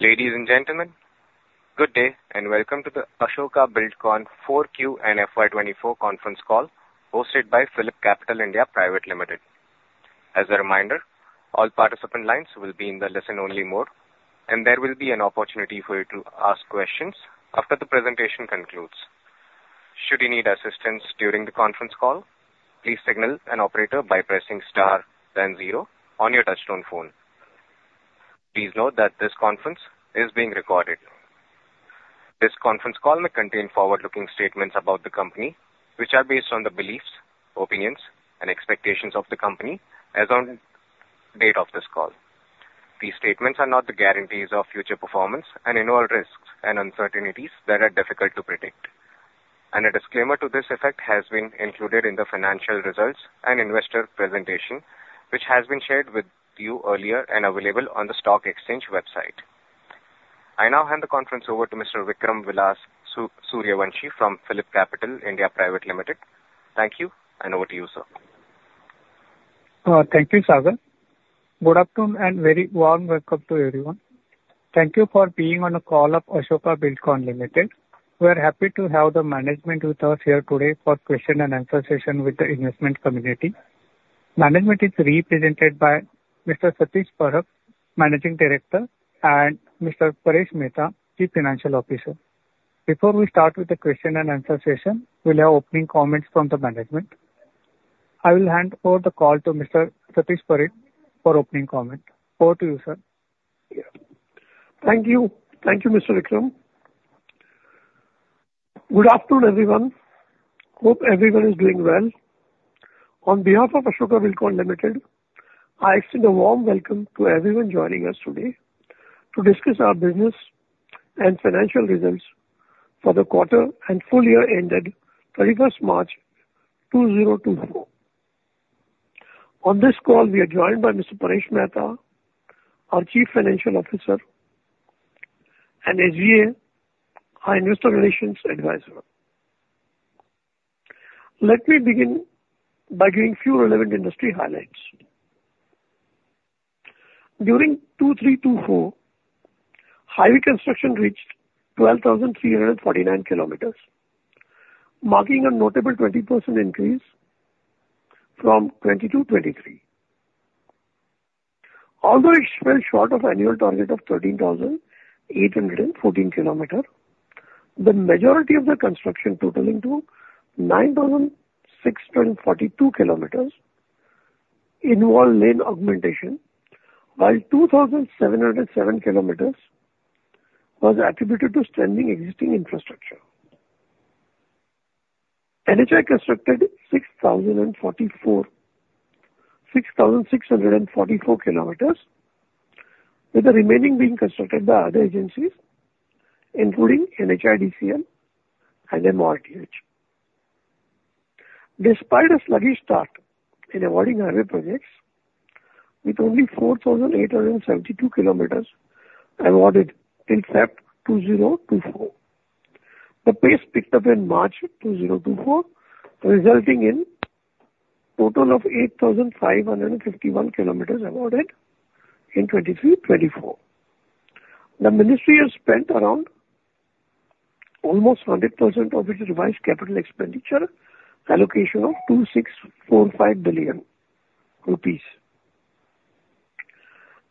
Ladies and gentlemen, good day, and welcome to the Ashoka Buildcon 4Q and FY24 Conference Call, hosted by PhillipCapital (India) Private Limited. As a reminder, all participant lines will be in the listen only mode, and there will be an opportunity for you to ask questions after the presentation concludes. Should you need assistance during the conference call, please signal an operator by pressing Star then zero on your touchtone phone. Please note that this conference is being recorded. This conference call may contain forward-looking statements about the company, which are based on the beliefs, opinions, and expectations of the company as on date of this call. These statements are not the guarantees of future performance and involve risks and uncertainties that are difficult to predict. A disclaimer to this effect has been included in the financial results and investor presentation, which has been shared with you earlier and available on the stock exchange website. I now hand the conference over to Mr. Vikram Vilas Suryavanshi from PhillipCapital (India) Private Limited. Thank you, and over to you, sir. Thank you, Sagar. Good afternoon and very warm welcome to everyone. Thank you for being on a call of Ashoka Buildcon Limited. We're happy to have the management with us here today for question and answer session with the investment community. Management is represented by Mr. Satish Parakh, Managing Director, and Mr. Paresh Mehta, Chief Financial Officer. Before we start with the question and answer session, we'll have opening comments from the management. I will hand over the call to Mr. Satish Parakh for opening comment. Over to you, sir. Thank you. Thank you, Mr. Vikram. Good afternoon, everyone. Hope everyone is doing well. On behalf of Ashoka Buildcon Limited, I extend a warm welcome to everyone joining us today to discuss our business and financial results for the quarter and full year ended 31 March 2024. On this call, we are joined by Mr. Paresh Mehta, our Chief Financial Officer, and SGA, our Investor Relations Advisor. Let me begin by giving a few relevant industry highlights. During 2023-24, highway construction reached 12,349 kilometers, marking a notable 20% increase from 2022-23. Although it fell short of annual target of 13,814 kilometers, the majority of the construction, totaling to 9,642 kilometers, involve lane augmentation, while 2,707 kilometers was attributed to strengthening existing infrastructure. NHAI constructed 6,044... 6,644 kilometers, with the remaining being constructed by other agencies, including NHAIDCL and MoRTH. Despite a sluggish start in awarding highway projects, with only 4,872 kilometers awarded in February 2024, the pace picked up in March 2024, resulting in total of 8,551 kilometers awarded in 2023-24. The ministry has spent around almost 100% of its revised capital expenditure, allocation of INR 2,645 billion.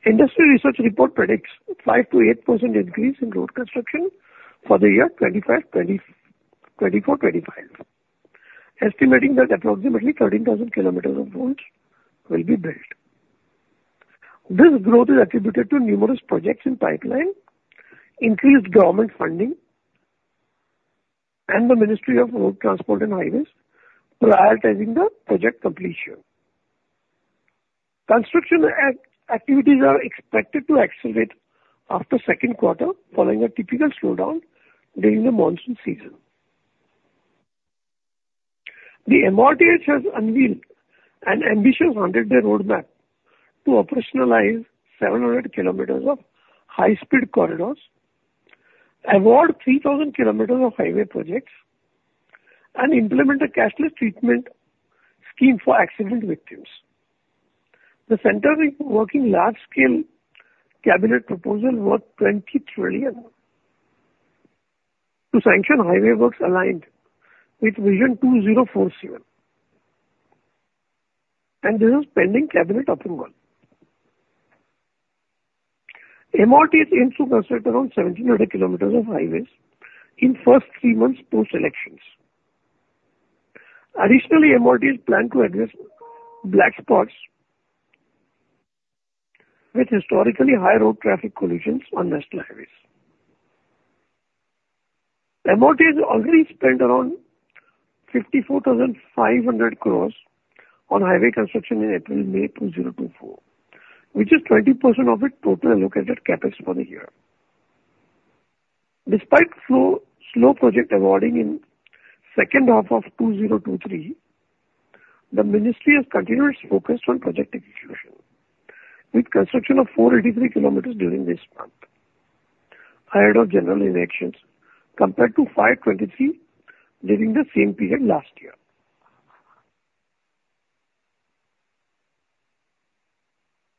Industry research report predicts 5%-8% increase in road construction for the year 2024-25, estimating that approximately 13,000 kilometers of roads will be built. This growth is attributed to numerous projects in pipeline, increased government funding, and the Ministry of Road Transport and Highways prioritizing the project completion. Construction activities are expected to accelerate after second quarter, following a typical slowdown during the monsoon season. The MoRTH has unveiled an ambitious 100-day roadmap to operationalize 700 kilometers of high-speed corridors, award 3,000 kilometers of highway projects, and implement a cashless treatment scheme for accident victims. The center is working large-scale cabinet proposal worth 20 trillion to sanction highway works aligned with Vision 2047, and this is pending cabinet approval. MoRTH aims to construct around 1,700 kilometers of highways in first three months post-elections. Additionally, MoRTH plan to address black spots with historically high road traffic collisions on national highways. MoRTH already spent around 54,500 crore rupees on highway construction in April, May 2024, which is 20% of its total allocated CapEx for the year. Despite slow, slow project awarding in second half of 2023, the ministry has continued its focus on project execution, with construction of 483 kilometers during this month ahead of general elections, compared to 523 during the same period last year....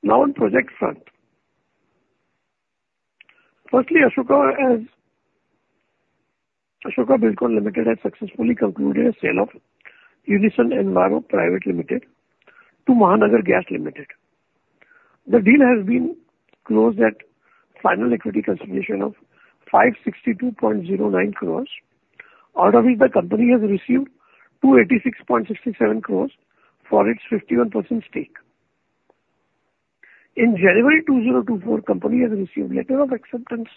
Now on project front. Firstly, Ashoka Buildcon Limited has successfully concluded a sale of Unison Enviro Private Limited to Mahanagar Gas Limited. The deal has been closed at final equity consideration of 562.09 crores, out of which the company has received 286.67 crores for its 51% stake. In January 2024, company has received letter of acceptance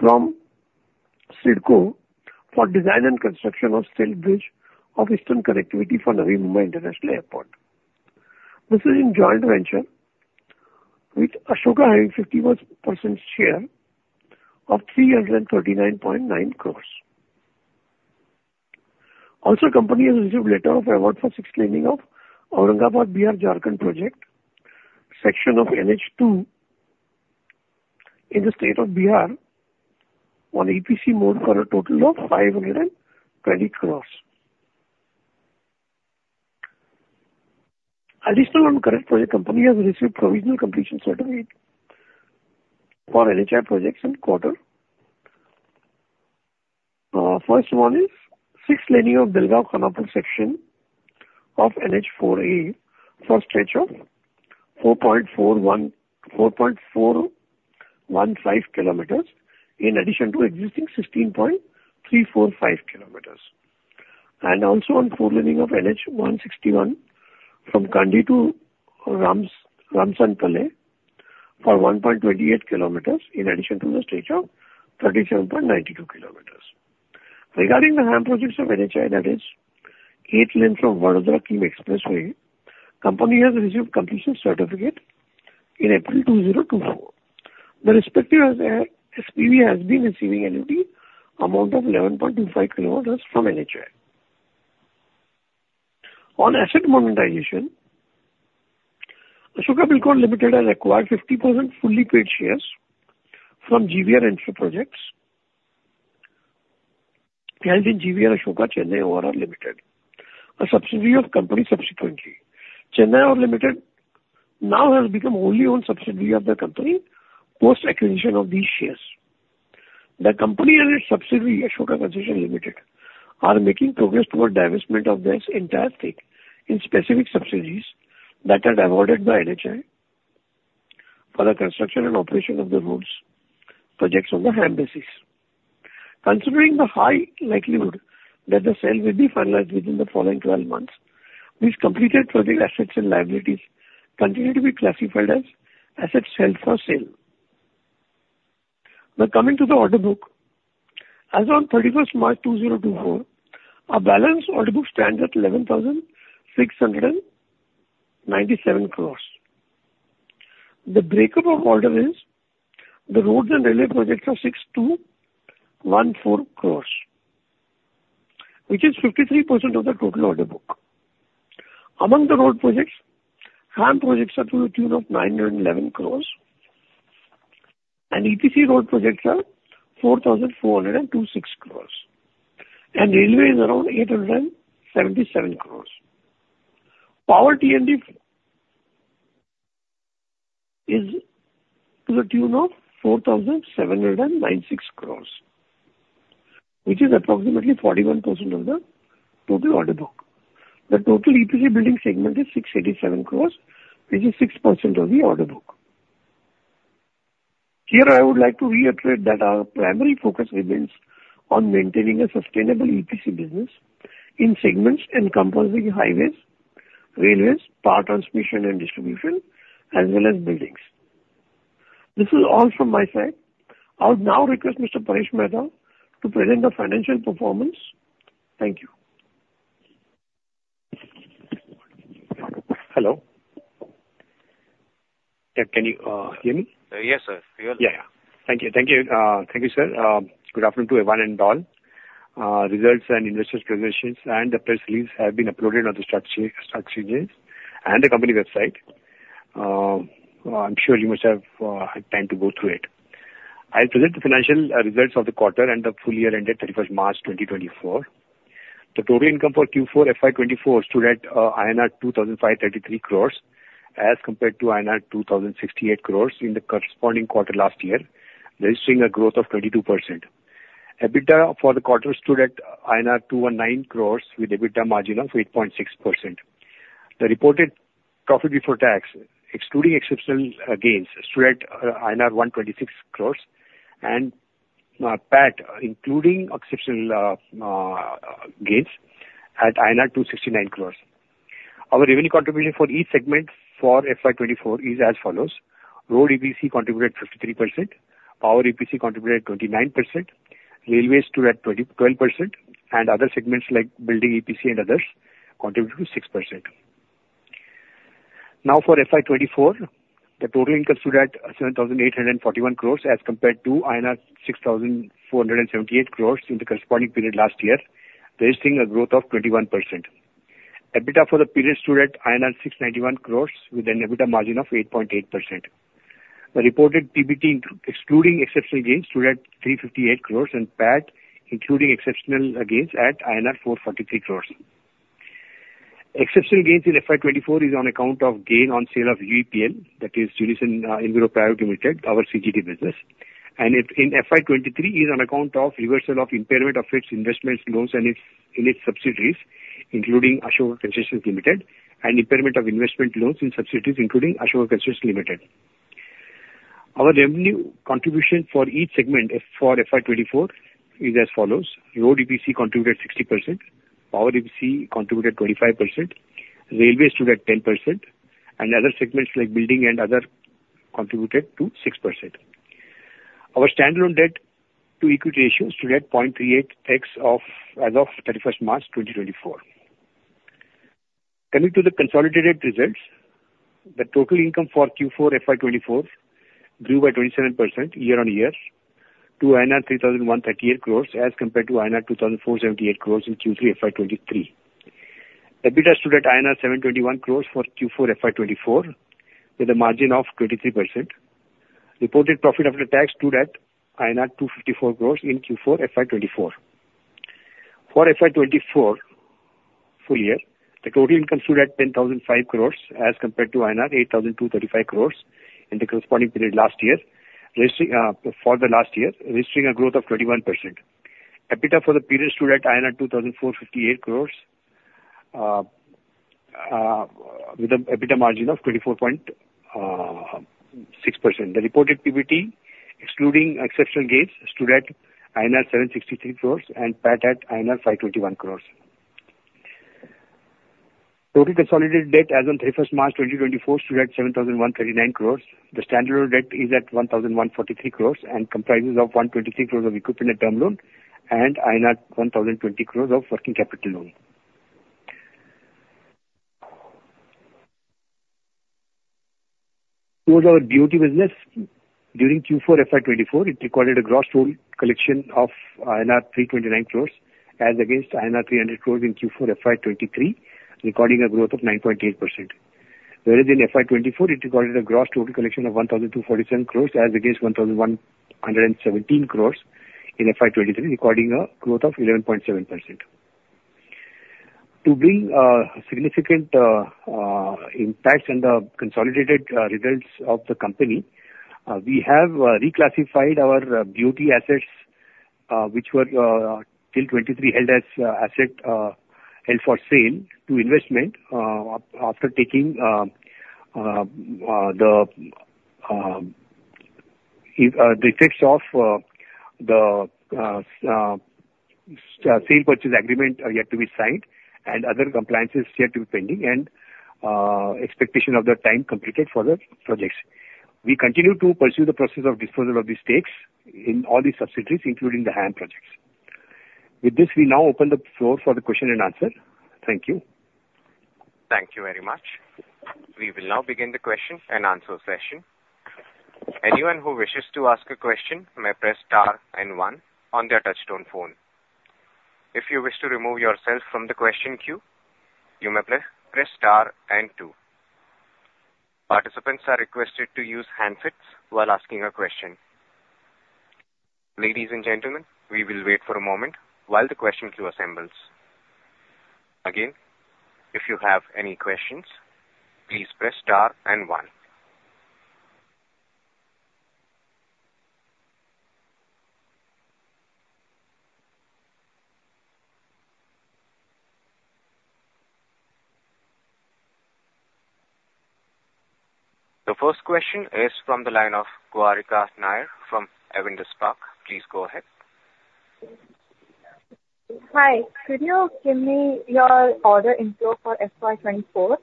from CIDCO for design and construction of steel bridge of eastern connectivity for Navi Mumbai International Airport. This is in joint venture, with Ashoka having 51% share of 339.9 crores. Also, company has received letter of award for six laning of Aurangabad-Bihar Jharkhand Project, section of NH-2, in the state of Bihar, on EPC mode for a total of 520 crore. Additional on current project, company has received provisional completion certificate for NHAI projects in quarter. First one is six laning of Belgaum-Khanapur Section of NH-4A for a stretch of 44.15 kilometers, in addition to existing 16.345 kilometers, and also on four laning of NH-161 from Kandi to Ramsanpalle for 1.28 kilometers, in addition to the stretch of 37.92 kilometers. Regarding the HAM projects of NHAI, that is eighth lane from Vadodara-Kim Expressway, company has received completion certificate in April 2024. The respective SPV has been receiving annuity amount of 11.25 kilometers from NHAI. On asset monetization, Ashoka Buildcon Limited has acquired 50% fully paid shares from GVR Infra Projects, held in GVR Ashoka Chennai ORR Limited, a subsidiary of company subsequently. Chennai ORR Limited now has become wholly owned subsidiary of the company, post-acquisition of these shares. The company and its subsidiary, Ashoka Construction Limited, are making progress toward divestment of this entire stake in specific subsidiaries that are diverted by NHAI for the construction and operation of the roads projects on the HAM basis. Considering the high likelihood that the sale will be finalized within the following 12 months, these completed project assets and liabilities continue to be classified as assets held for sale. Now coming to the order book. As on 31 March 2024, our balance order book stands at 11,697 crores. The breakup of order is: the roads and railway projects are 6,214 crores, which is 53% of the total order book. Among the road projects, HAM projects are to the tune of 911 crores, and EPC road projects are 4,426 crores, and railway is around 877 crores. Power T&D is to the tune of 4,796 crores, which is approximately 41% of the total order book. The total EPC building segment is 687 crores, which is 6% of the order book. Here, I would like to reiterate that our primary focus remains on maintaining a sustainable EPC business in segments encompassing highways, railways, power transmission and distribution, as well as buildings. This is all from my side. I'll now request Mr. Paresh Mehta to present the financial performance. Thank you. Hello. Yeah, can you hear me? Yes, sir. We hear you. Yeah. Thank you, thank you, thank you, sir. Good afternoon to everyone and all. Results and investors presentations and the press release have been uploaded on the stock exchange and the company website. I'm sure you must have had time to go through it. I present the financial results of the quarter and the full year ended 31 March 2024. The total income for Q4 FY 2024 stood at INR 2,533 crores, as compared to INR 2,068 crores in the corresponding quarter last year, registering a growth of 22%. EBITDA for the quarter stood at INR 219 crores, with EBITDA margin of 8.6%. The reported profit before tax, excluding exceptional gains, stood at INR 126 crores and PAT, including exceptional gains, at INR 269 crores. Our revenue contribution for each segment for FY 2024 is as follows: Road EPC contributed 53%, Power EPC contributed 29%, Railway stood at 12%, and other segments like building EPC and others contributed 6%. Now, for FY 2024, the total income stood at 7,841 crores as compared to INR 6,478 crores in the corresponding period last year, registering a growth of 21%. EBITDA for the period stood at INR 691 crores with an EBITDA margin of 8.8%. The reported PBT, excluding exceptional gains, stood at 358 crores and PAT, including exceptional gains, at INR 443 crores. Exceptional gains in FY 2024 is on account of gain on sale of UEPL, that is, Unison Enviro Private Limited, our CGD business. And it, in FY 2023, is on account of reversal of impairment of its investments, loans, and its, in its subsidiaries, including Ashoka Concessions Limited, and impairment of investment loans in subsidiaries including Ashoka Concessions Limited. Our revenue contribution for each segment for FY 2024 is as follows: Road EPC contributed 60%, Power EPC contributed 25%, Railways stood at 10%, and other segments like building and other contributed to 6%. Our standalone debt to equity ratio stood at 0.38x as of 31 March 2024. Coming to the consolidated results, the total income for Q4 FY 2024 grew by 27% year on year to INR 3,138 crores as compared to INR 2,478 crores in Q3 FY 2023. EBITDA stood at INR 721 crores for Q4 FY 2024, with a margin of 23%. Reported profit after tax stood at INR 254 crores in Q4 FY 2024. For FY 2024, full year, the total income stood at 10,005 crores as compared to INR 8,235 crores in the corresponding period last year, raising, for the last year, registering a growth of 21%. EBITDA for the period stood at INR 2,458 crores, with an EBITDA margin of 24.6%. The reported PBT, excluding exceptional gains, stood at INR 763 crores and PAT at INR 521 crores. Total consolidated debt as on 31 March 2024 stood at 7,139 crores. The standalone debt is at 1,143 crores and comprises of 123 crores of equipment term loan and 1,020 crores of working capital loan. Towards our BOT business, during Q4 FY 2024, it recorded a gross total collection of INR 329 crores as against INR 300 crores in Q4 FY 2023, recording a growth of 9.8%. Whereas in FY 2024, it recorded a gross total collection of 1,247 crores as against 1,117 crores in FY 2023, recording a growth of 11.7%. To bring significant impacts in the consolidated results of the company, we have reclassified our BOT assets, which were till 23, held as asset held for sale to investment after taking the effects of the sale purchase agreement are yet to be signed, and other compliances yet to be pending and expectation of the time completed for the projects. We continue to pursue the process of disposal of the stakes in all the subsidiaries, including the HAM projects. With this, we now open the floor for the question and answer. Thank you. Thank you very much. We will now begin the question and answer session. Anyone who wishes to ask a question may press Star and 1 on their touchtone phone. If you wish to remove yourself from the question queue, you may press Star and 2. Participants are requested to use handsets while asking a question. Ladies and gentlemen, we will wait for a moment while the question queue assembles. Again, if you have any questions, please press Star and 1. The first question is from the line of Gaurika Nair from Avendus Spark. Please go ahead. Hi, could you give me your order intake for FY 2024?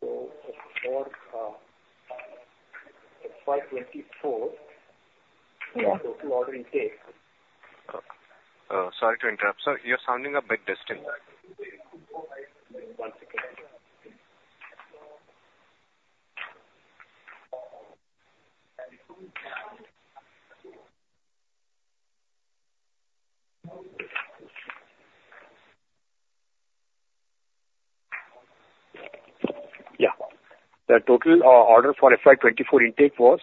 So for FY 24, in order to order intake- Sorry to interrupt, sir. You're sounding a bit distant. Yeah. The total order for FY 2024 intake was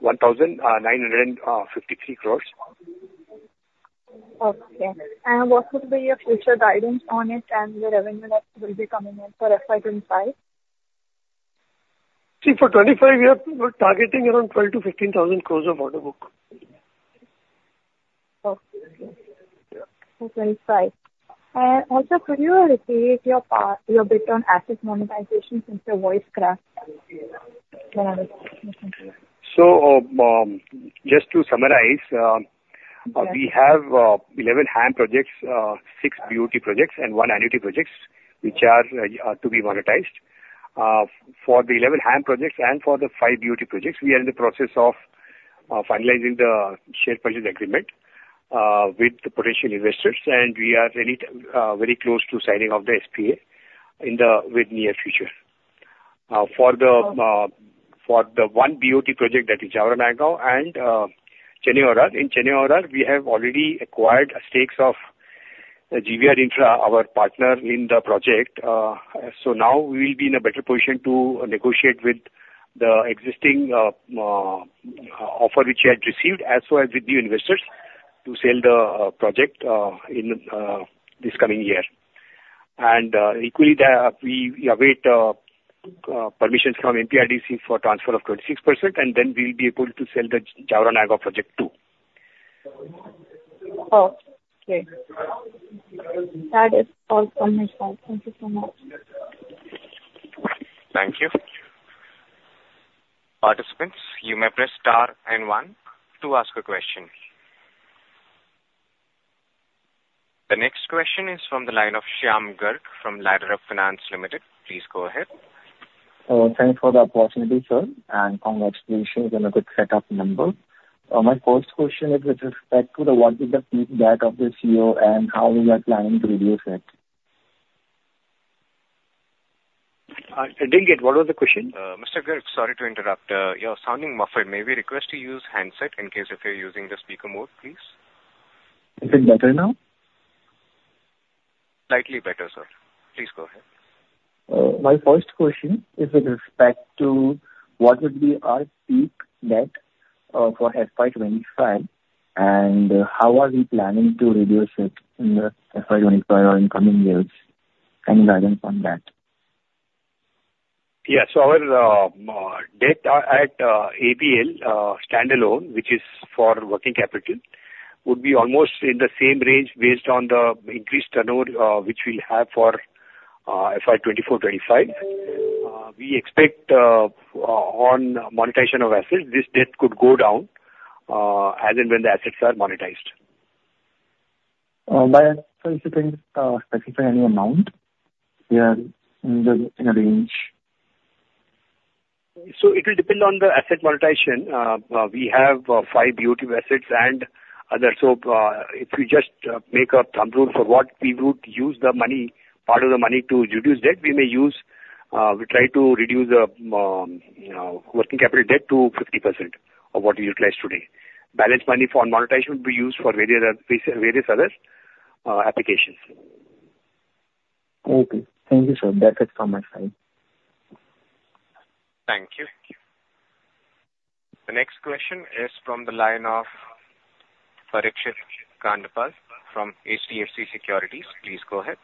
1,953 crore. Okay. And what will be your future guidance on it, and the revenue that will be coming in for FY 2025? See, for 25 year, we're targeting around 12,000 crore-15,000 crore of order book. Okay. Yeah. Okay, fine. Also, could you repeat your bit on asset monetization, since your voice cracked? So, just to summarize, Yeah. We have 11 HAM projects, 6 BOT projects, and one annuity projects, which are to be monetized. For the 11 HAM projects and for the 5 BOT projects, we are in the process of finalizing the share purchase agreement with the potential investors, and we are very very close to signing of the SPA in the near future. For the- Okay. For the one BOT project that is Jaora-Nayagaon and Chennai ORR. In Chennai ORR, we have already acquired stakes of GVR Infra, our partner in the project. So now we will be in a better position to negotiate with the existing offer, which we had received, as well as with new investors to sell the project in this coming year. And equally, we await permissions from MPRDC for transfer of 26%, and then we will be able to sell the Jaora-Nayagaon project too. Okay. That is all on my side. Thank you so much. Thank you. Participants, you may press Star and One to ask a question. The next question is from the line of Shyam Garg from Ladderup Finance Limited. Please go ahead. Thank you for the opportunity, sir, and congratulations on a good set of numbers. My first question is with respect to the, what is the peak debt of the CO and how we are planning to reduce it? I didn't get. What was the question? Mr. Garg, sorry to interrupt. You're sounding muffled. May we request to use handset in case if you're using the speaker mode, please? Is it better now? Slightly better, sir. Please go ahead. My first question is with respect to what would be our peak debt for FY 25, and how are we planning to reduce it in the FY 25 or in coming years? Any guidance on that? Yeah. So our debt at APL standalone, which is for working capital, would be almost in the same range based on the increased turnover, which we'll have for FY 2024/2025. We expect on monetization of assets, this debt could go down as and when the assets are monetized. Can you specify any amount? Yeah, in a range. So it will depend on the asset monetization. We have five utility assets and others. So, if you just make a thumb rule for what we would use the money, part of the money to reduce debt, we may use, we try to reduce the working capital debt to 50% of what we utilize today. Balance money for monetization will be used for various other applications. Okay. Thank you, sir. That's it from my side. Thank you. The next question is from the line of Parikshit Kandpal from HDFC Securities. Please go ahead.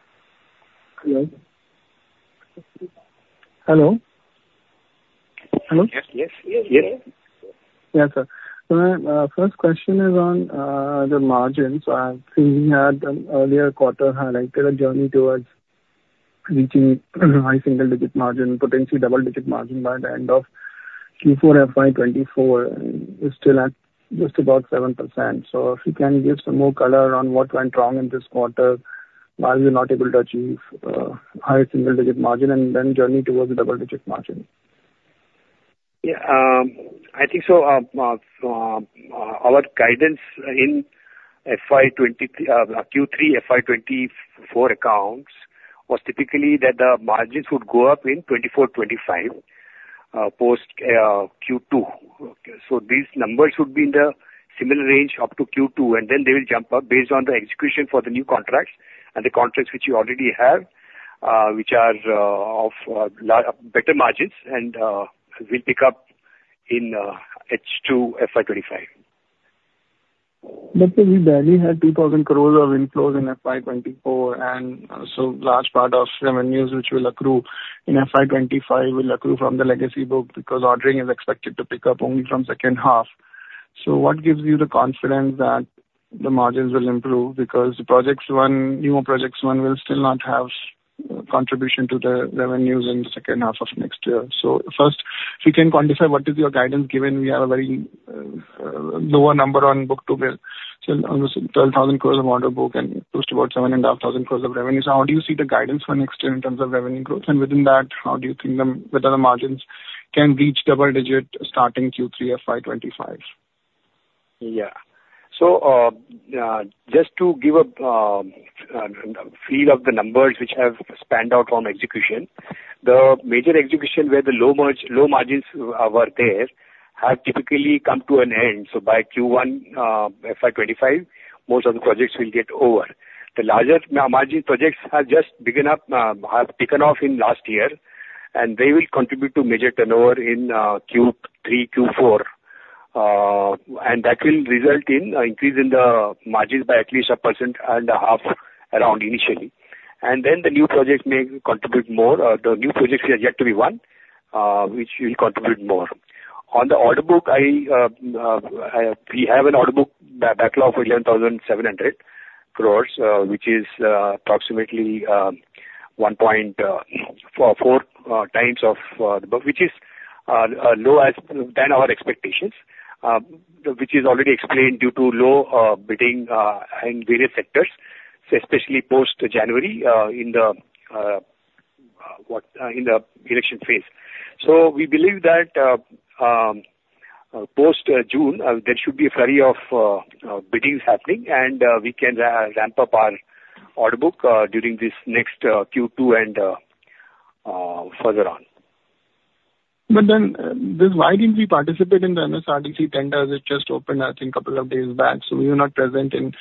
Hello? Hello. Hello. Yes, yes, yes. Yeah, sir. So my first question is on the margins. So I think we had an earlier quarter highlighted a journey towards reaching high single-digit margin, potentially double-digit margin by the end of Q4 FY 2024, and we're still at just about 7%. So if you can give some more color on what went wrong in this quarter, why we were not able to achieve high single-digit margin and then journey towards the double-digit margin? Yeah. I think so, our guidance in FY 2020 Q3 FY 2024 accounts was typically that the margins would go up in 2024/2025, post Q2. So these numbers would be in the similar range up to Q2, and then they will jump up based on the execution for the new contracts and the contracts which you already have, which are of better margins, and will pick up in H2 FY 2025. But we barely had 2,000 crore of inflows in FY 2024, and so large part of revenues which will accrue in FY 2025 will accrue from the legacy book, because ordering is expected to pick up only from second half. So what gives you the confidence that the margins will improve? Because the projects one, newer projects one will still not have contribution to the revenues in the second half of next year. So first, if you can quantify what is your guidance, given we have a very lower number on book to bill. So almost 12,000 crore of order book and close to about 7,500 crore of revenues. How do you see the guidance for next year in terms of revenue growth? And within that, how do you think the... whether the margins can reach double digit Starting Q3 FY 2025? Yeah. So, just to give a feel of the numbers which have panned out from execution. The major execution where the low margins were there have typically come to an end. So by Q1 FY 25, most of the projects will get over. The largest margin projects have just begun up, have taken off in last year, and they will contribute to major turnover in Q3, Q4. And that will result in an increase in the margins by at least 1.5% around initially. And then the new projects may contribute more. The new projects are yet to be won, which will contribute more. On the order book, I, we have an order book backlog of 11,700 crore, which is, approximately, 1.4 times of, the book, which is, low as than our expectations, which is already explained due to low, bidding, in various sectors, especially post-January, in the, what, in the election phase. So we believe that, post, June, there should be a flurry of, biddings happening, and, we can ramp up our order book, during this next, Q2 and, further on. ... But then, this, why didn't we participate in the MSRDC tenders? It just opened, I think, couple of days back, so we were not present in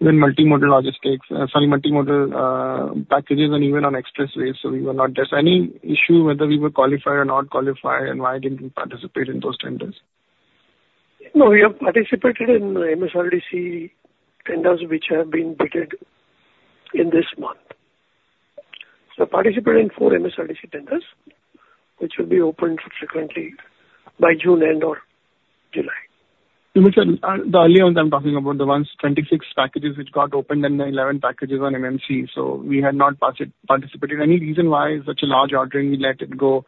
even multimodal logistics, sorry, multimodal, packages and even on expressways, so we were not there. So any issue whether we were qualified or not qualified, and why didn't we participate in those tenders? No, we have participated in MSRDC tenders, which have been bid in this month. So participated in 4 MSRDC tenders, which will be opened subsequently by June end or July. No, sir. The earlier ones I'm talking about, the ones, 26 packages which got opened, and the 11 packages on MMC, so we had not participated. Any reason why such a large ordering we let it go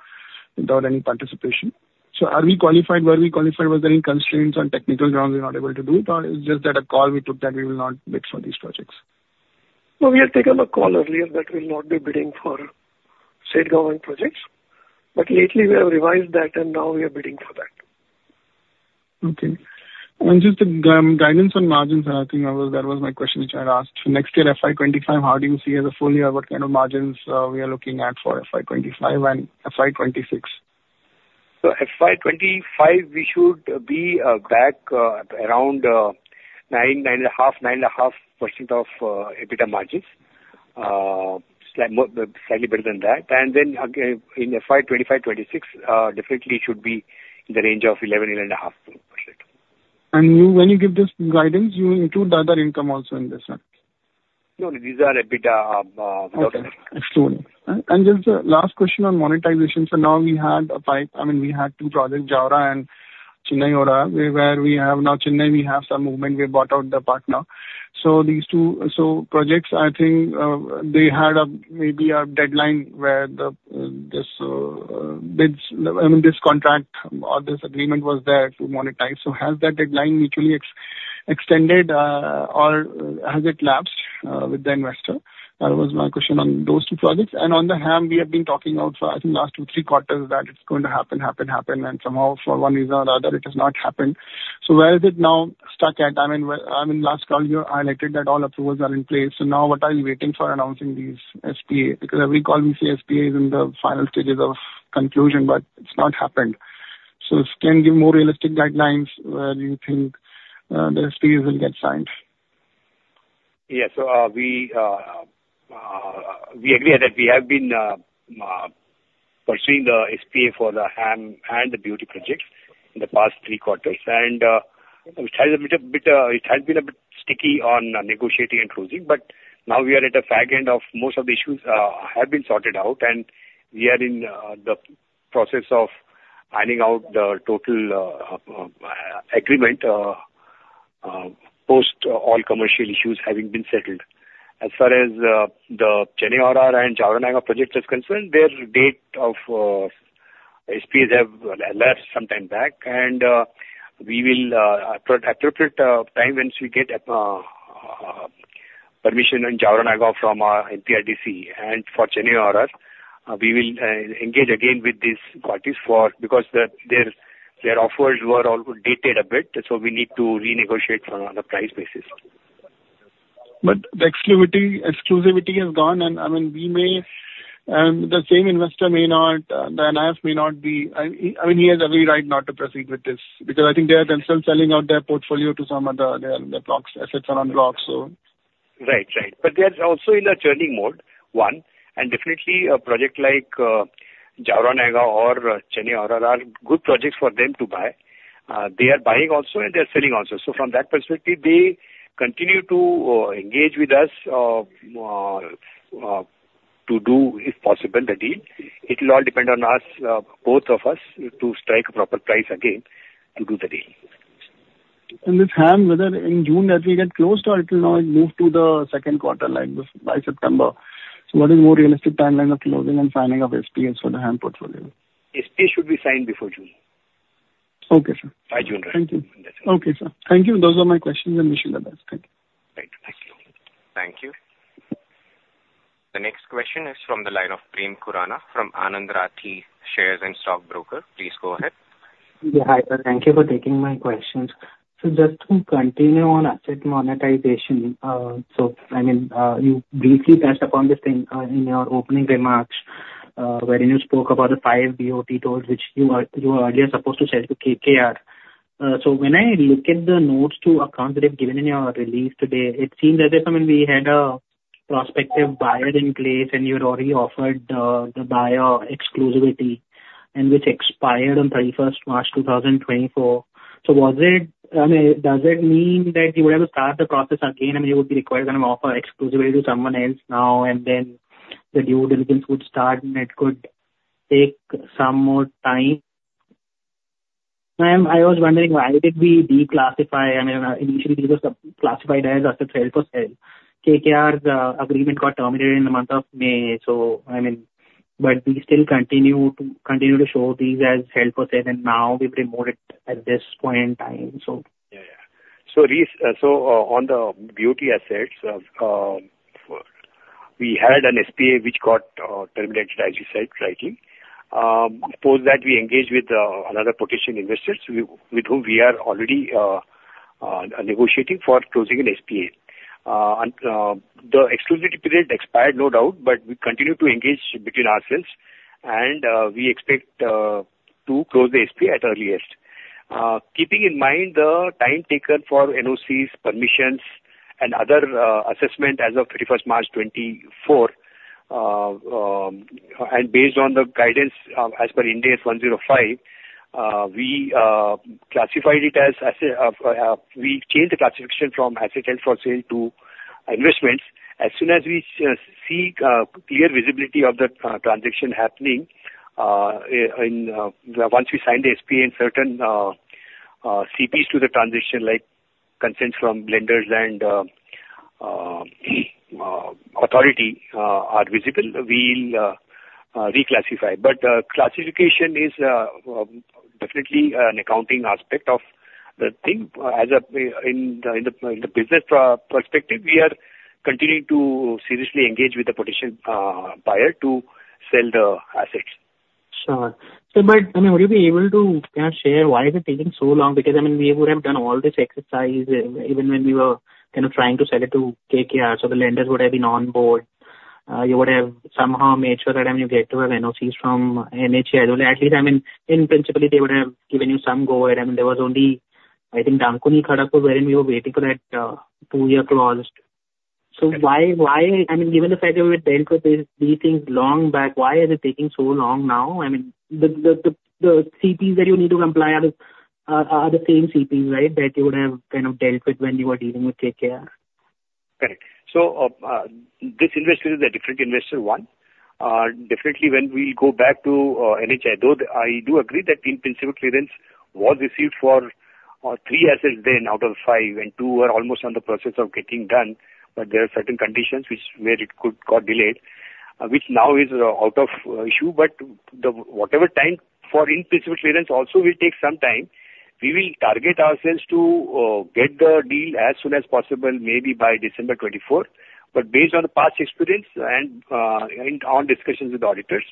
without any participation? So are we qualified? Were we qualified? Was there any constraints on technical grounds we're not able to do it, or it's just that a call we took that we will not bid for these projects? No, we had taken a call earlier that we'll not be bidding for state government projects. But lately we have revised that, and now we are bidding for that. Okay. And just the guidance on margins, I think that was, that was my question which I had asked. Next year, FY 2025, how do you see as a full year? What kind of margins we are looking at for FY 2025 and FY 2026? So FY 2025, we should be back around 9-9.5% of EBITDA margins. Slightly better than that. And then, again, in FY 2025-26, definitely should be in the range of 11-11.5%. You, when you give this guidance, you include the other income also in this, right? No, these are EBITDA. Okay. Excluded. And just last question on monetization. So now we had a five... I mean, we had 2 projects, Jaora and Chennai ORR, where we have now Chennai, we have some movement. We bought out the partner. So these 2 projects, I think, they had maybe a deadline where this bids, I mean, this contract or this agreement was there to monetize. So has that deadline mutually extended or has it lapsed with the investor? That was my question on those 2 projects. And on the HAM, we have been talking also, I think last 2, 3 quarters, that it's going to happen, and somehow, for one reason or another, it has not happened. So where is it now stuck at? I mean, well, I mean, last call you highlighted that all approvals are in place, so now what are you waiting for announcing these SPA? Because every call we see SPA is in the final stages of conclusion, but it's not happened. So can you give more realistic guidelines, where do you think, the SPAs will get signed? Yes. So, we agree that we have been pursuing the SPA for the HAM and the BOT projects in the past three quarters. And, it has been a bit sticky on negotiating and closing, but now we are at the far end of most of the issues have been sorted out, and we are in the process of ironing out the total agreement post all commercial issues having been settled. As far as the Chennai ORR and Jaora-Nayagaon project is concerned, their date of SPAs have lapsed some time back, and we will appropriate time once we get permission on Jaora-Nayagaon from our MPRDC, and for Chennai ORR, we will engage again with these parties for, because the, their, their offers were all dated a bit, so we need to renegotiate on the price basis. But the exclusivity, exclusivity is gone, and, I mean, we may, the same investor may not, the NIIF may not be... I, I mean, he has every right not to proceed with this, because I think they are themselves selling out their portfolio to some other, their, their blocks, assets are on blocks, so. Right. Right. But they are also in the churning mode, and definitely a project like Jaora-Nayagaon or Chennai ORR are good projects for them to buy. They are buying also, and they are selling also. So from that perspective, they continue to to do, if possible, the deal. It will all depend on us, both of us, to strike a proper price again to do the deal. This HAM, whether in June that will get closed, or it will now move to the second quarter, like this, by September. What is more realistic timeline of closing and signing of SPAs for the HAM portfolio? SPA should be signed before June. Okay, sir. By June. Thank you. Okay, sir. Thank you. Those are my questions, and wish you the best. Thank you. Right. Thank you. Thank you. The next question is from the line of Prem Khurana from Anand Rathi Shares and Stock Brokers. Please go ahead. Yeah, hi, sir. Thank you for taking my questions. So just to continue on asset monetization, so I mean, you briefly touched upon this thing in your opening remarks, wherein you spoke about the five BOT tolls, which you are, you are earlier supposed to sell to KKR. So when I look at the notes to accounts that you've given in your release today, it seems as if, I mean, we had a prospective buyer in place, and you had already offered the, the buyer exclusivity, and which expired on 31 March 2024. So was it, I mean, does it mean that you were able to start the process again, and you would be required to offer exclusivity to someone else now, and then the due diligence would start, and it could take some more time? I was wondering, why did we reclassify? I mean, initially it was classified as assets held for sale. KKR's agreement got terminated in the month of May, so I mean... But we still continue to show these as held for sale, and now we reclassify it at this point in time, so. Yeah. Yeah. So, so, on the beauty assets, we had an SPA which got terminated, as you said rightly. Post that, we engaged with another potential investors, with whom we are already negotiating for closing an SPA. And, the exclusivity period expired, no doubt, but we continue to engage between ourselves and, we expect to close the SPA at earliest. Keeping in mind the time taken for NOCs, permissions, and other assessment as of thirty-first March 2024, and based on the guidance, as per Ind AS 105, we classified it as a, we changed the classification from asset held for sale to investments. As soon as we see clear visibility of the transaction happening, once we sign the SPA and certain CPs to the transition like consents from lenders and authority are visible, we'll reclassify. But classification is definitely an accounting aspect of the thing. As in the business perspective, we are continuing to seriously engage with the potential buyer to sell the assets. Sure. So but, I mean, would you be able to, kind of, share why is it taking so long? Because, I mean, we would have done all this exercise even when we were kind of trying to sell it to KKR, so the lenders would have been on board. You would have somehow made sure that I mean, you get to have NOCs from NHAI. At least, I mean, in principle, they would have given you some go ahead. I mean, there was only, I think, Dankuni-Kharagpur wherein we were waiting for that 2-year clause. So why, why... I mean, given the fact that we've dealt with these things long back, why is it taking so long now? I mean, the CPs that you need to comply are the same CPs, right? That you would have kind of dealt with when you were dealing with KKR. Correct. So, this investor is a different investor, one. Definitely, when we go back to NHAI, though I do agree that in principle, clearance was received for three assets then out of five, and two are almost on the process of getting done. But there are certain conditions which where it could got delayed, which now is out of issue. But the whatever time for in-principle clearance also will take some time. We will target ourselves to get the deal as soon as possible, maybe by December 2024. But based on the past experience and on discussions with auditors,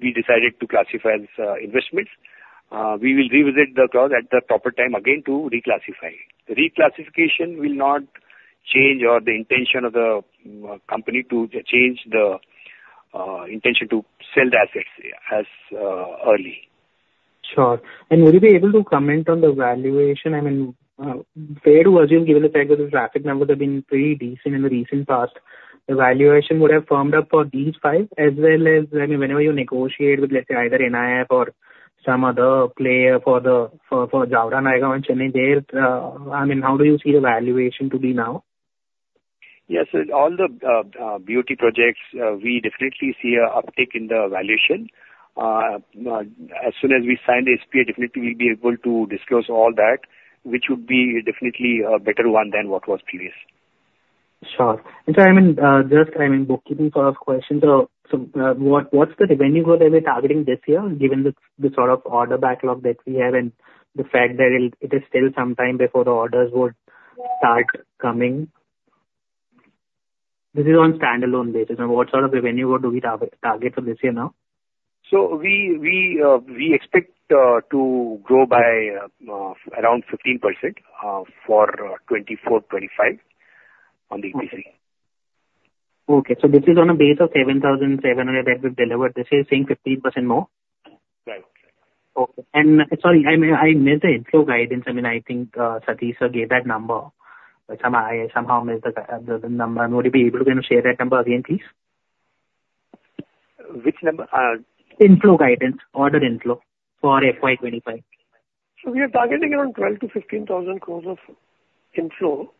we decided to classify as investments. We will revisit the clause at the proper time again to reclassify. Reclassification will not change the intention of the company to sell the assets, yeah, as early. Sure. And would you be able to comment on the valuation? I mean, fair to assume, given the fact that the traffic numbers have been pretty decent in the recent past, the valuation would have firmed up for these five, as well as, I mean, whenever you negotiate with, let's say, either NIIF or some other player for the Jaora-Nayagaon and Chennai, there, I mean, how do you see the valuation to be now? Yes, so all the BOT projects, we definitely see an uptick in the valuation. As soon as we sign the SPA, definitely we'll be able to disclose all that, which would be definitely a better one than what was previous. Sure. And so, I mean, just, I mean, bookkeeping sort of question. So, so, what, what's the revenue goal that we're targeting this year, given the, the sort of order backlog that we have and the fact that it, it is still some time before the orders would start coming? This is on standalone basis, and what sort of a revenue goal do we target, target for this year now? So we expect to grow by around 15% for 2024, 2025 on the EPC. Okay. So this is on a base of 7,700 that we've delivered. This is saying 15% more? Right. Okay. And sorry, I missed the inflow guidance. I mean, I think Satish gave that number, but somehow I missed the number. Would you be able to kind of share that number again, please? Which number? Inflow guidance, order inflow for FY 25. We are targeting around 12,000 crore-15,000 crore of inflow.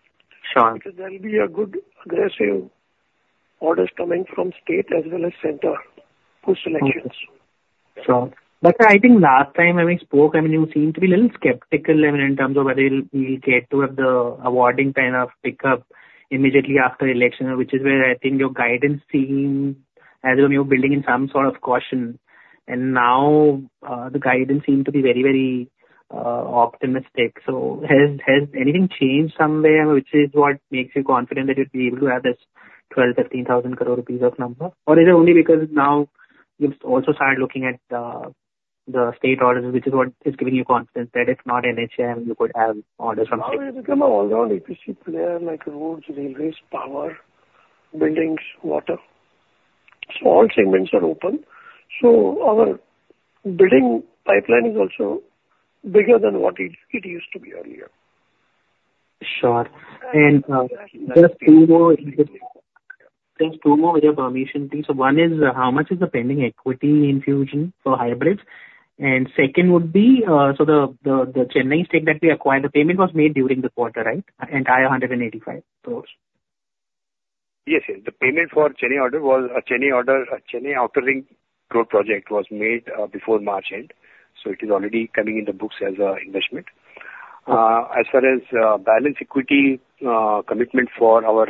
Sure. There'll be good aggressive orders coming from state as well as center post-elections. Sure. But I think last time, I mean, we spoke, I mean, you seemed to be a little skeptical, I mean, in terms of whether you'll, we'll get to have the awarding kind of pickup immediately after election, which is where I think your guidance seemed as though you're building in some sort of caution. And now, the guidance seem to be very, very, optimistic. So has, has anything changed somewhere, which is what makes you confident that you'll be able to have this 12,000 crore-13,000 crore rupees of number? Or is it only because now you've also started looking at, the state orders, which is what is giving you confidence that if not NHAI, you could have orders from state? Now, we've become an all-round EPC player, like roads, railways, power, buildings, water. So all segments are open. So our building pipeline is also bigger than what it used to be earlier. Sure. And, just two more, just two more with your permission, please. So one is, how much is the pending equity infusion for hybrids? And second would be, so the Chennai stake that we acquired, the payment was made during the quarter, right? Entire 185 crore. Yes, yes. The payment for Chennai order was, Chennai order, Chennai Outer Ring Road project was made, before March end, so it is already coming in the books as a investment. As far as, balance equity, commitment for our,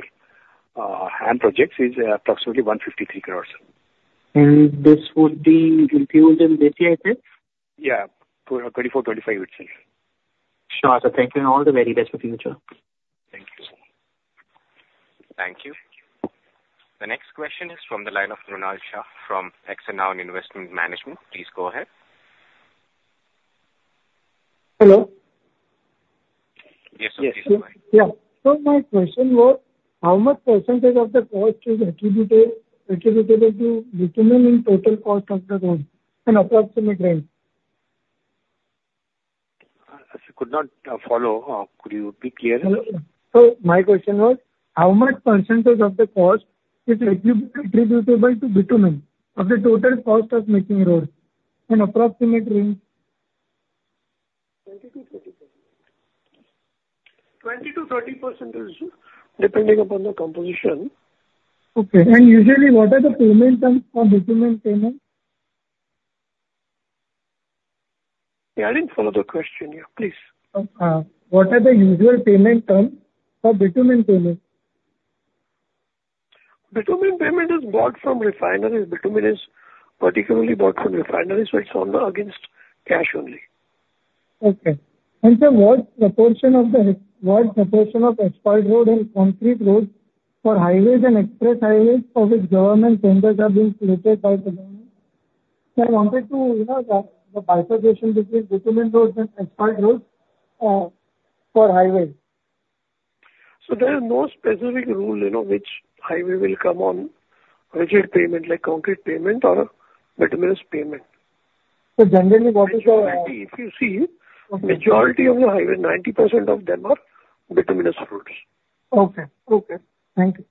HAM projects is approximately 153 crores. This would be included in this year, I think? Yeah, for 2024, 2025, it's in. Sure, sir. Thank you, and all the very best for the future. Thank you. Thank you. The next question is from the line of Mrunal Shah from Axanoun Investment Management. Please go ahead.... Hello. Yes, sir. Yeah. So my question was, how much percentage of the cost is attributed, attributable to bitumen in total cost of the road, an approximate range? I could not follow. Could you be clear? My question was, how much percentage of the cost is attributable to bitumen of the total cost of making a road, an approximate range? 20%-30%. 20%-30%, sir, depending upon the composition. Okay. Usually, what are the payment terms for bitumen payment? Yeah, I didn't follow the question. Yeah, please. What are the usual payment terms for bitumen payment? Bitumen is bought from refinery. Bitumen is particularly bought from refineries, so it's on cash against cash only. Okay. And sir, what proportion of the, what proportion of asphalt road and concrete road for highways and express highways for which government tenders are being floated by the government? I wanted to know the, the bifurcation between bitumen roads and asphalt roads, for highways. So there are no specific rules, you know, which highway will come on rigid pavement, like concrete pavement or bituminous pavement. Generally, what is the- If you see- Okay. Majority of the highway, 90% of them are bituminous roads. Okay. Okay. Thank you.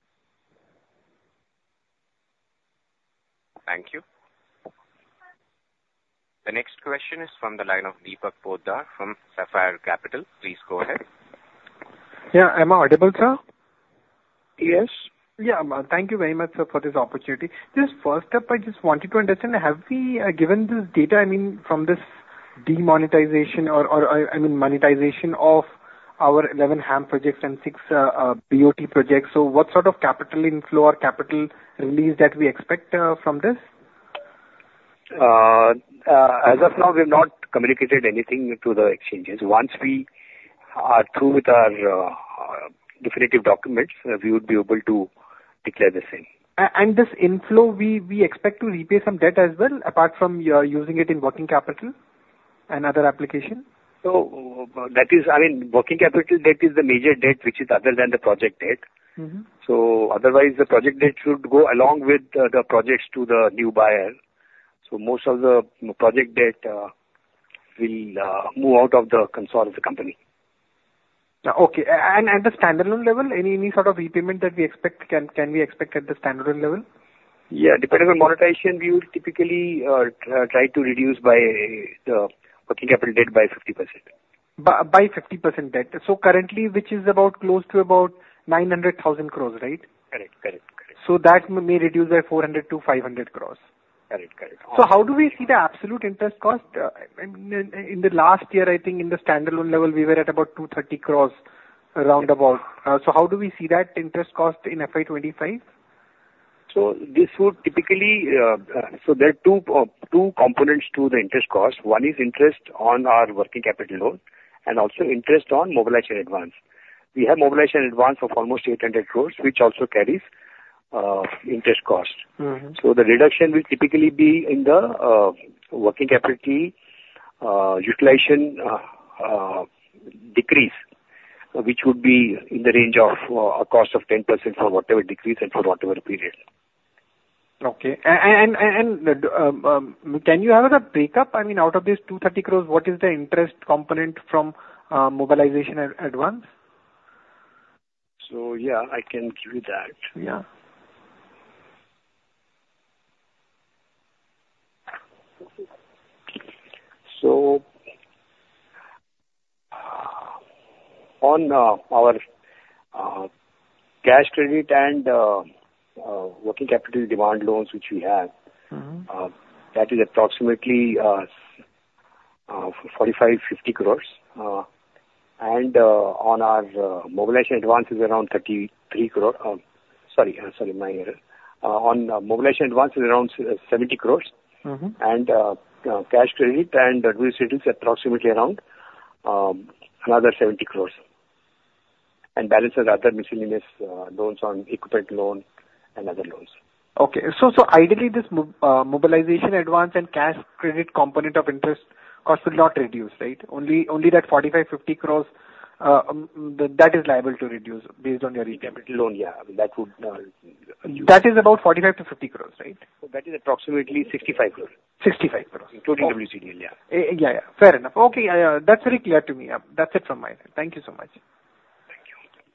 Thank you. The next question is from the line of Deepak Poddar from Sapphire Capital. Please go ahead. Yeah. Am I audible, sir? Yes. Yeah. Thank you very much, sir, for this opportunity. Just first up, I just wanted to understand, have we, given this data, I mean, from this demonetization or, or, I mean, monetization of our 11 HAM projects and 6 BOT projects, so what sort of capital inflow or capital release that we expect from this? As of now, we've not communicated anything to the exchanges. Once we are through with our definitive documents, we would be able to declare the same. And this inflow, we expect to repay some debt as well, apart from you are using it in working capital and other application? That is, I mean, working capital debt is the major debt which is other than the project debt. Mm-hmm. So otherwise, the project debt should go along with the projects to the new buyer. So most of the project debt will move out of the consols of the company. Okay. And the standalone level, any sort of repayment that we expect, can we expect at the standalone level? Yeah, depending on monetization, we would typically try to reduce by the working capital debt by 50%. By 50% debt. So currently, which is about close to about 900,000 crore, right? Correct, correct, correct. That may reduce by 400 crore-500 crore. Correct, correct. So how do we see the absolute interest cost? In the last year, I think in the standalone level, we were at about 230 crores, roundabout. So how do we see that interest cost in FY 2025? There are two components to the interest cost. One is interest on our working capital loan and also interest on mobilization advance. We have mobilization advance of almost 800 crore, which also carries interest costs. Mm-hmm. The reduction will typically be in the working capital utilization decrease, which would be in the range of a cost of 10% for whatever decrease and for whatever period. Okay. And, can you have the breakup, I mean, out of these 230 crore, what is the interest component from mobilization at advance? So, yeah, I can give you that. Yeah. On our cash credit and working capital demand loans, which we have- Mm-hmm. That is approximately 45-50 crores. And on our mobilization advance is around 33 crore, sorry, sorry, my error. On mobilization advance is around 70 crores. Mm-hmm. Cash credit and WCDLs, it is approximately around another 70 crore, and balances other miscellaneous loans on equipment loan and other loans. Okay. So, so ideally this mobilization advance and cash credit component of interest cost will not reduce, right? Only, only that 45 crore-50 crore that is liable to reduce based on your repayment. Loan, yeah, that would, reduce. That is about 45-50 crores, right? So that is approximately 65 crore. 65 crores. Including WCDL, yeah. Yeah, yeah, fair enough. Okay, that's very clear to me. Yeah. That's it from my end. Thank you so much. Thank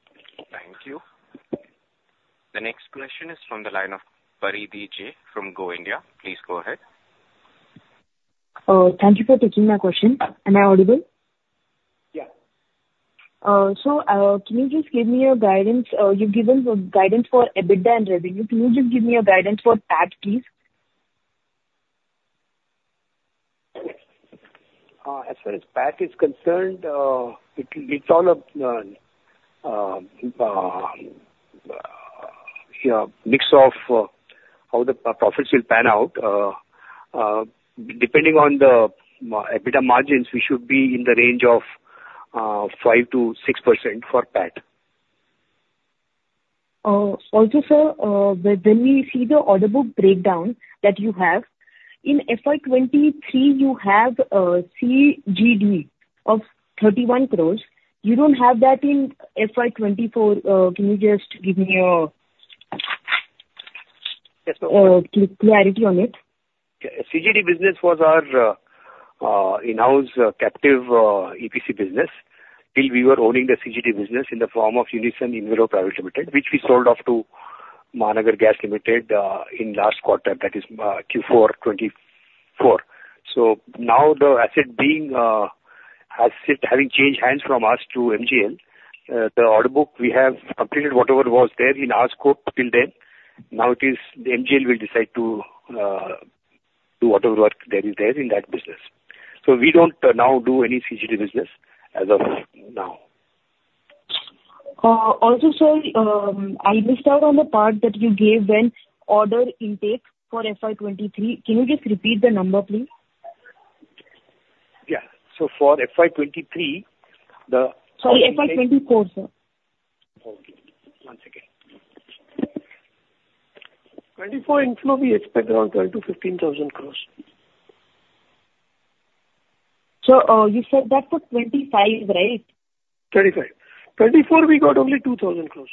you. Thank you. The next question is from the line of Paridhi Jagnani from Go India. Please go ahead. Thank you for taking my question. Am I audible? Yeah. So, can you just give me your guidance? You've given the guidance for EBITDA and revenue. Can you just give me a guidance for PAT, please? As far as PAT is concerned, it's all a mix of how the profits will pan out. Depending on the EBITDA margins, we should be in the range of 5%-6% for PAT.... Also, sir, when we see the order book breakdown that you have, in FY 2023, you have CGD of 31 crore. You don't have that in FY 2024. Can you just give me clarity on it? Yeah. CGD business was our, in-house captive, EPC business. Till we were owning the CGD business in the form of Unison Enviro Private Limited, which we sold off to Mahanagar Gas Limited, in last quarter, that is, Q4 2024. So now the asset being, asset having changed hands from us to MGL, the order book, we have completed whatever was there in our scope till then. Now it is the MGL will decide to, do whatever work that is there in that business. So we don't now do any CGD business as of now. Also, sir, I missed out on the part that you gave when order intake for FY 23. Can you just repeat the number, please? Yeah. So for FY 2023, the- Sorry, FY 2024, sir. Okay. Once again. 2024 inflow, we expect around 10,000 crore-15,000 crore. You said that for 25, right? 25. 24, we got only 2,000 crores.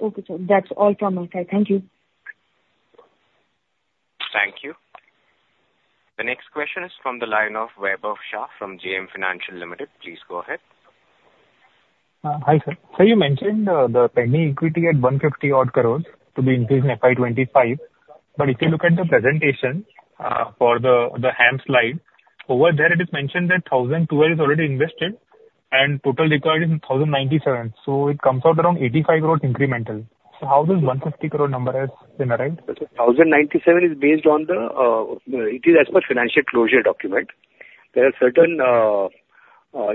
Okay, sir. That's all from my side. Thank you. Thank you. The next question is from the line of Vaibhav Shah from JM Financial Limited. Please go ahead. Hi, sir. Sir, you mentioned the pending equity at 150 odd crore to be increased in FY 2025, but if you look at the presentation for the HAM slide, over there it is mentioned that 1,200 crore is already invested, and total required is 1,097 crore. So it comes out around 85 crore incremental. So how does 150 crore number has been arrived? 1,097 is based on the. It is as per financial closure document. There are certain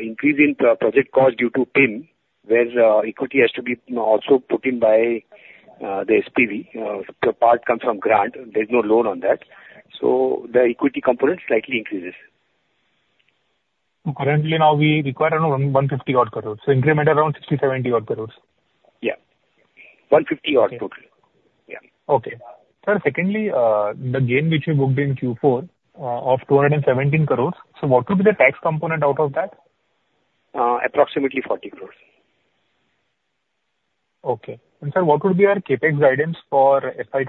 increase in project cost due to PIM, where equity has to be also put in by the SPV. So part comes from grant. There's no loan on that. So the equity component slightly increases. So currently, now we require around 150-odd crore, so incremental around 60-70-odd crore. Yeah. 150 odd total. Yeah. Okay. Sir, secondly, the gain which you booked in Q4 of 217 crore, so what would be the tax component out of that? Approximately 40 crore. Okay. And, sir, what would be our CapEx guidance for FY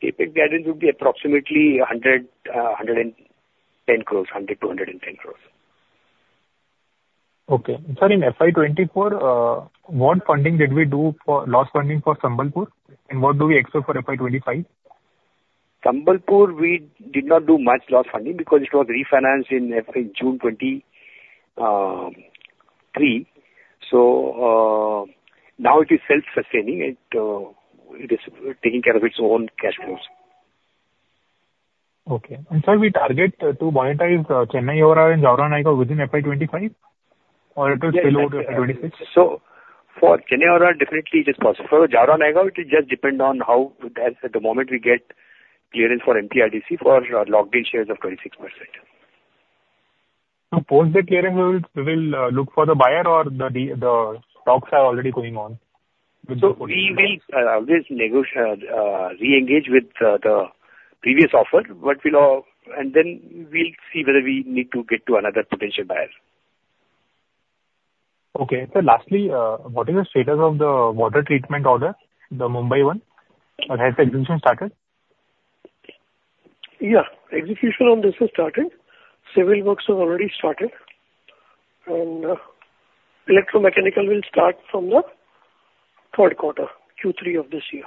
25? CapEx guidance would be approximately 100 crores, 110 crores, 100-110 crores. Okay. Sir, in FY 2024, what funding did we do for loss funding for Sambalpur, and what do we expect for FY 2025? Sambalpur, we did not do much loss funding because it was refinanced in FY June 2023. So, now it is self-sustaining. It is taking care of its own cash flows. Okay. And, sir, we target to monetize Chennai ORR and Jaora-Nayagaon within FY 25, or it will spill over to 26? So for Chennai ORR, definitely it is possible. For Jaora-Nayagaon, it will just depend on how, as the moment we get clearance for MPRDC for our locked-in shares of 26%. So, post the clearance, we will, we will, look for the buyer or the talks are already going on? So we will always re-engage with the previous offer, but we'll, and then we'll see whether we need to get to another potential buyer. Okay. Sir, lastly, what is the status of the water treatment order, the Mumbai one? And has the execution started? Yeah, execution on this has started. Civil works have already started, and, electromechanical will start from the third quarter, Q3 of this year.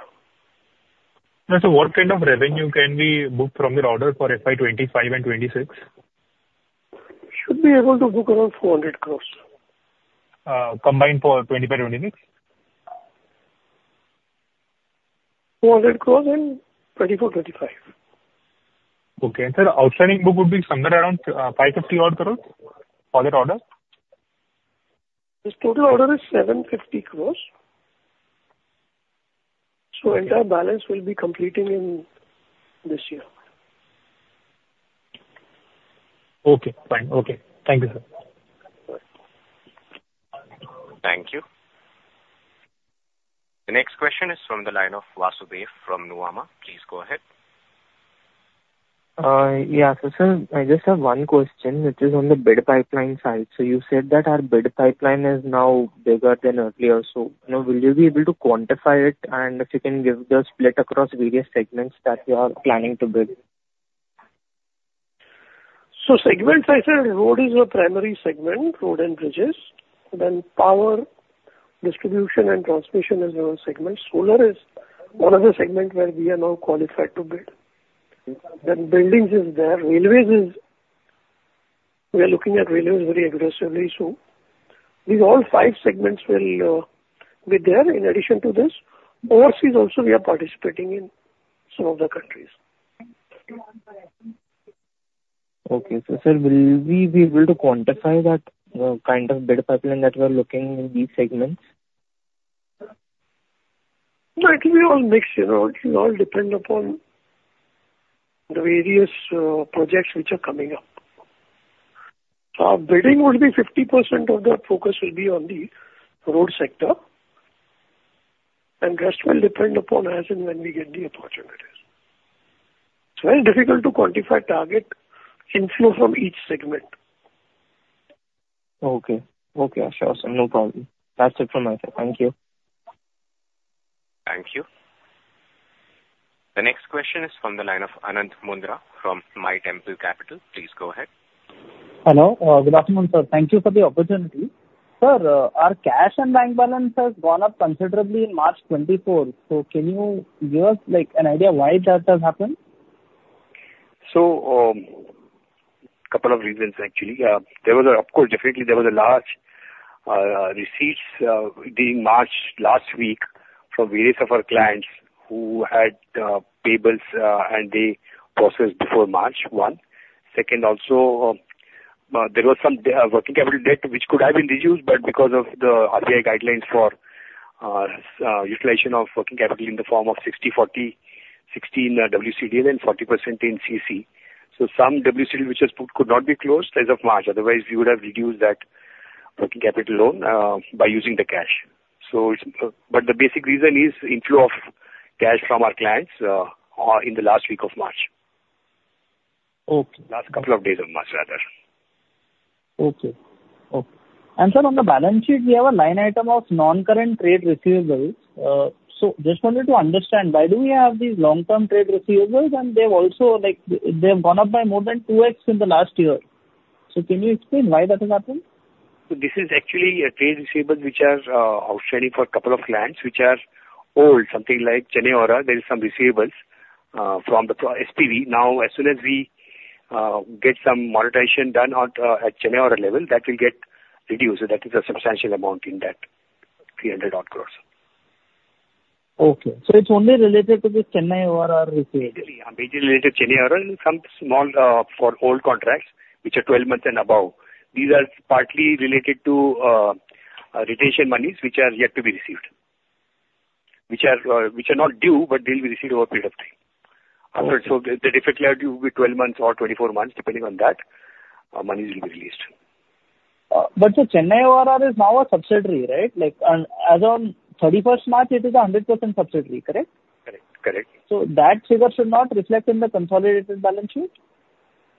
So what kind of revenue can we book from your order for FY 25 and 26? Should be able to book around 400 crore. Combined for 25, 20-mix? 400 crore in 2024-25. Okay. And, sir, outstanding book would be somewhere around 550-odd crore for that order? This total order is 750 crore, so entire balance will be completing in this year. Okay, fine. Okay. Thank you, sir. Thank you. The next question is from the line of Vasudev from Nuvama. Please go ahead. So, sir, I just have one question, which is on the bid pipeline side. So you said that our bid pipeline is now bigger than earlier, so, you know, will you be able to quantify it? And if you can give the split across various segments that you are planning to build. So segment side, sir, road is the primary segment, road and bridges. Then power, distribution and transmission is our segment. Solar is one of the segment where we are now qualified to bid. Then buildings is there, railways is... We are looking at railways very aggressively. So these all five segments will be there. In addition to this, overseas also, we are participating in some of the countries. Okay. So, sir, will we be able to quantify that, kind of bid pipeline that we are looking in these segments?... No, it will be all mixed, you know, it will all depend upon the various projects which are coming up. Our bidding would be 50% of that focus will be on the road sector, and rest will depend upon as and when we get the opportunities. It's very difficult to quantify target inflow from each segment. Okay. Okay, sure, sir, no problem. That's it from my side. Thank you. Thank you. The next question is from the line of Anant Mundra from MyTemple Capital. Please go ahead. Hello. Good afternoon, sir. Thank you for the opportunity. Sir, our cash and bank balance has gone up considerably in March 2024, so can you give us, like, an idea why that has happened? So, couple of reasons, actually. Of course, definitely there was a large receipts during March last week from various of our clients who had payables, and they processed before March 31. Second, also, there was some working capital debt which could have been reduced, but because of the RBI guidelines for utilization of working capital in the form of 60/40, 60% WCD and 40% in CC. So some WCD which has put could not be closed as of March 31, otherwise we would have reduced that working capital loan by using the cash. So it's... But the basic reason is inflow of cash from our clients in the last week of March. Okay. Last couple of days of March, rather. Okay. Okay. And sir, on the balance sheet, we have a line item of non-current trade receivables. So just wanted to understand, why do we have these long-term trade receivables, and they've also, like, they've gone up by more than 2x in the last year. So can you explain why that has happened? So this is actually a trade receivables which are outstanding for a couple of clients which are old, something like Chennai ORR. There is some receivables from the SPV. Now, as soon as we get some monetization done on at Chennai ORR level, that will get reduced. So that is a substantial amount in that 300-odd crore. Okay, so it's only related to this Chennai ORR receivable? Yeah, majorly related to Chennai ORR and some small for old contracts, which are 12 months and above. These are partly related to retention monies, which are yet to be received. Which are not due, but they'll be received over a period of time. So the default clarity will be 12 months or 24 months, depending on that monies will be released. But the Chennai ORR is now a subsidiary, right? Like, as on thirty-first March, it is a 100% subsidiary, correct? Correct. Correct. That figure should not reflect in the consolidated balance sheet?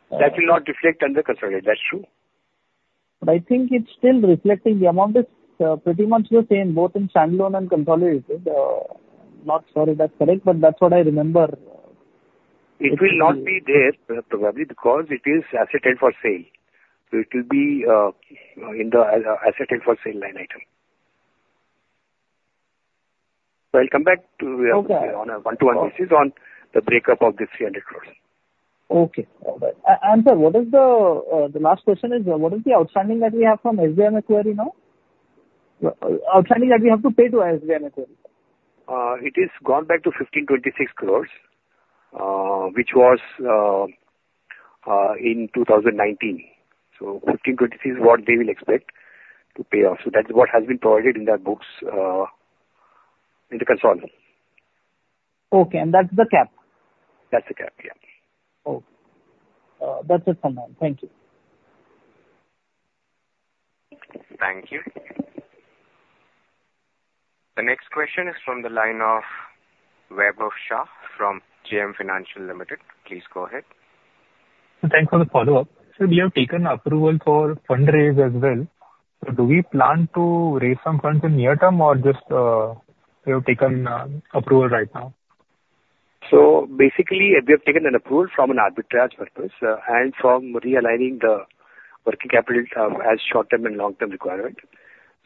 That will not reflect under consolidated. That's true. I think it's still reflecting. The amount is pretty much the same, both in standalone and consolidated. Not sure if that's correct, but that's what I remember. It will not be there, probably because it is assets held for sale. So it will be in the assets held for sale line item. So I'll come back to you- Okay. on a one-to-one basis on the breakup of this 300 crore. Okay. All right. And sir, what is the, the last question is, what is the outstanding that we have from SBI Macquarie now? Outstanding that we have to pay to SBI Macquarie. It is gone back to 1,526 crore, which was in 2019. So 1,526 crore is what they will expect to pay off. So that's what has been provided in their books, in the consolidated. Okay, and that's the cap? That's the cap, yeah. Okay. That's it from me. Thank you. Thank you. The next question is from the line of Vaibhav Shah from JM Financial Limited. Please go ahead. Thanks for the follow-up. Sir, we have taken approval for fundraise as well. So do we plan to raise some funds in near term or just we have taken approval right now? So basically, we have taken an approval from an arbitrage purpose, and from realigning the working capital, as short-term and long-term requirement.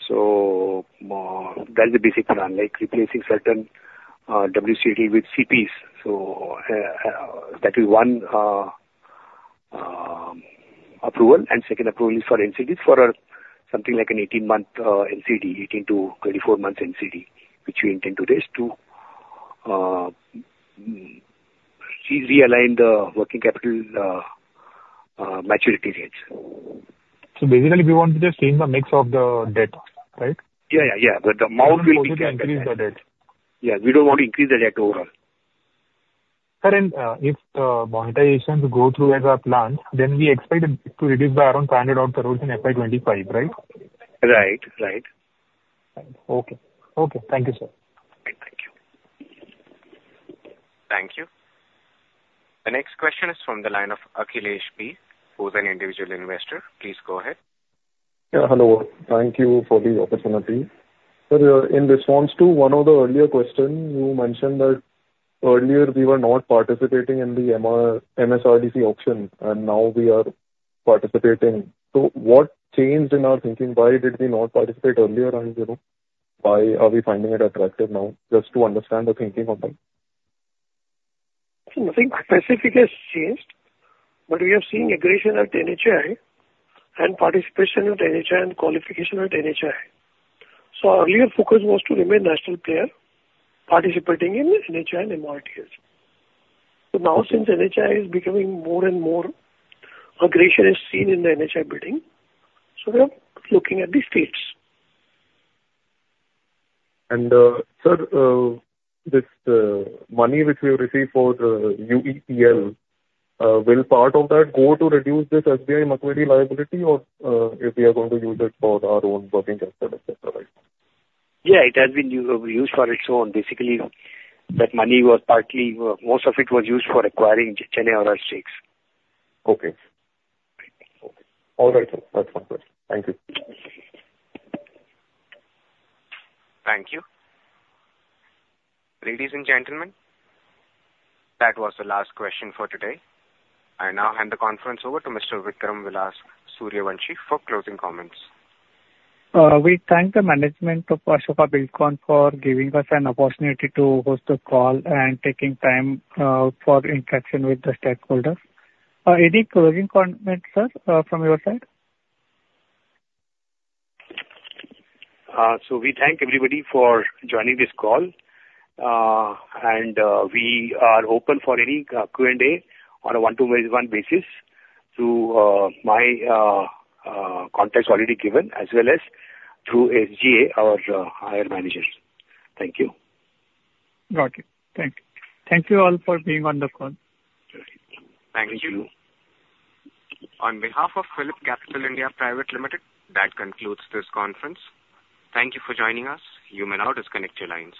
So, that is the basic plan, like replacing certain WCDL with CPs. So, that is one approval, and second approval is for NCDs, for something like an 18-month NCD, 18-24 months NCD, which we intend to raise to realign the working capital maturity dates. So basically, we want to just change the mix of the debt, right? Yeah, yeah, yeah. But the amount will be- We won't increase the debt. Yeah, we don't want to increase the debt overall. Sir, and if monetizations go through as a plan, then we expect it to reduce by around 500 odd crores in FY 2025, right? Right. Right. Okay. Okay. Thank you, sir. Thank you. Thank you. The next question is from the line of Akhilesh B, who is an individual investor. Please go ahead. Yeah, hello. Thank you for the opportunity. Sir, in response to one of the earlier questions, you mentioned that earlier we were not participating in the MoRTH-MSRDC auction, and now we are participating. So what changed in our thinking? Why did we not participate earlier on, you know? Why are we finding it attractive now? Just to understand the thinking of them. Nothing specific has changed, but we have seen aggression at NHAI and participation with NHAI and qualification with NHAI. So our real focus was to remain national player, participating in NHAI and MoRTH. So now, since NHAI is becoming more and more, aggression is seen in the NHAI bidding, so we are looking at the states. Sir, this money which we have received for UEPL, will part of that go to reduce this SBI Macquarie liability or, if we are going to use it for our own working capital, et cetera? Yeah, it has been used for it. So basically, that money was partly, most of it was used for acquiring Chennai ORR stakes. Okay. Okay. All right, sir. That's perfect. Thank you. Thank you. Ladies and gentlemen, that was the last question for today. I now hand the conference over to Mr. Vikram Vilas Suryavanshi for closing comments. We thank the management of Ashoka Buildcon for giving us an opportunity to host the call and taking time for interaction with the stakeholders. Any closing comments, sir, from your side? We thank everybody for joining this call, and we are open for any Q&A on a one-to-one basis through my contacts already given, as well as through Sagar, our IR managers. Thank you. Got it. Thank you. Thank you all for being on the call. Thank you. Thank you. On behalf of PhillipCapital (India) Private Limited, that concludes this conference. Thank you for joining us. You may now disconnect your lines.